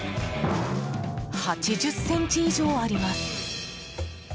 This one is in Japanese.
８０ｃｍ以上あります。